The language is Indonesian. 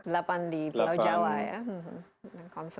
delapan di pulau jawa ya